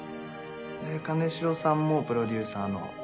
金城さんもプロデューサーの。